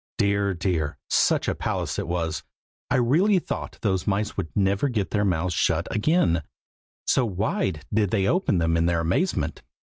Dear! dear! such a palace as it was! I really thought those mice would never get their mouths shut again, so wide did they open them in their amazement.